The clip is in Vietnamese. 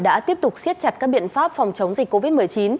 đã tiếp tục siết chặt các biện pháp phòng chống dịch covid một mươi chín